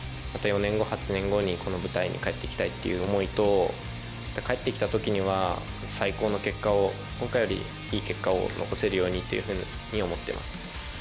また４年後、８年後にこの舞台に帰ってきたいという思いと帰ってきた時には最高の結果を今回よりいい結果を残せるようにというふうに思っています。